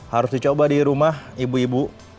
harus dicoba di rumah ibu ibu